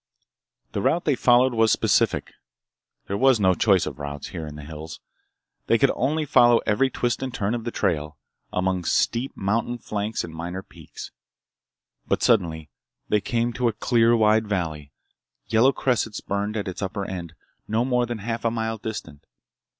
The route they followed was specific. There was no choice of routes, here in the hills. They could only follow every twist and turn of the trail, among steep mountain flanks and minor peaks. But suddenly they came to a clear wide valley, yellow cressets burned at its upper end, no more than half a mile distant.